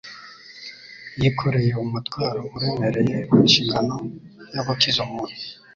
Yikoreye umutwaro uremereye w'inshingano yo gukiza umuntu.